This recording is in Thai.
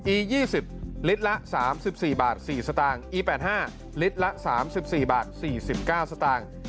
อี๒๐ลิตรละ๓๔บาท๔สตางค์อี๘๕ลิตรละ๓๔บาท๔๙สตางค์